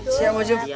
siap mas yuf